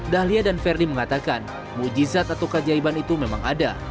dahlia dan ferdi mengatakan mu'jizat atau keajaiban itu memang ada